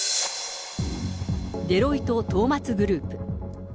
デロイトトーマツグループ。